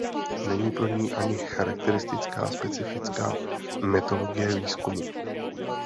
Není pro ní ani charakteristická specifická metodologie výzkumu.